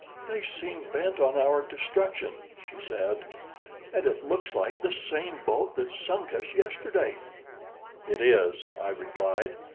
"They seem bent on our destruction," she said, "and it looks like the same boat that sunk us yesterday." "It is," I replied.